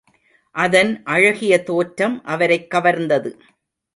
அதன் அழகிய தோற்றம் அவரைக் கவர்ந்தது.